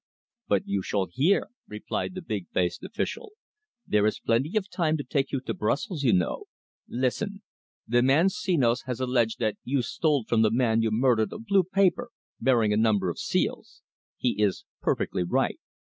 "But you shall hear," replied the big faced official. "There is plenty of time to take you to Brussels, you know. Listen. The man Senos has alleged that you stole from the man you murdered a blue paper bearing a number of seals. He is perfectly right.